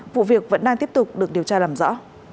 vụ việc vẫn đang tiếp tục được điều tra làm rõ